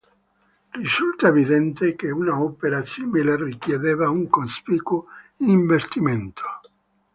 Risulta evidente che un'opera simile richiedeva un cospicuo investimento.